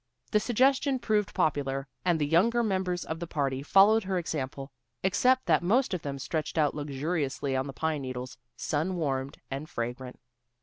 The suggestion proved popular, and the younger members of the party followed her example, except that most of them stretched out luxuriously on the pine needles, sun warmed and fragrant.